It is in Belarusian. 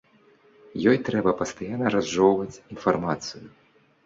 Ёй трэба пастаянна разжоўваць інфармацыю.